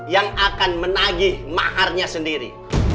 yang akan menagih maharnya sendiri